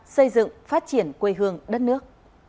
xây dựng phát triển quê hương đất nước